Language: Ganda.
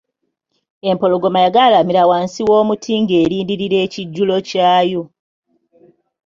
Empologoma yagalamira wansi w'omuti ng'erindirira ekijulo kyayo.